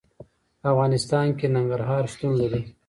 په افغانستان کې ننګرهار شتون لري.